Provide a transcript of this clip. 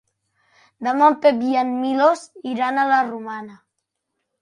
Demà en Pep i en Milos iran a la Romana.